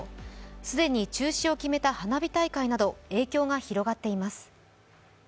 既に中止を決めた花火大会など影響が広がっています。